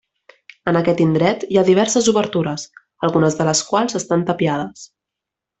En aquest indret hi ha diverses obertures, algunes de les quals estan tapiades.